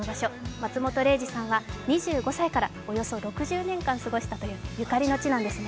松本零士さんが２５歳からおよそ６０年間過ごしたというゆかりの地なんですね。